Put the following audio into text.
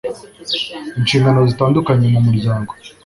inshingano zitandukanye mu muryango